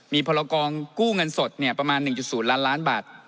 มีพลกองกู้เงินสดประมาณ๑๐ล้านล้านบาท